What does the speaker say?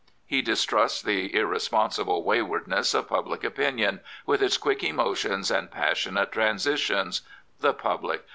He distrusts the irresponsible waywardness of public opinion, with its quick emotions and passionate transitions. The public!